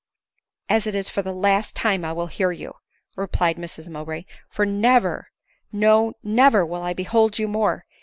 " As it is for the last time, I will hear you," replied Mrs Mowbray ;" for never, no never will I behold you more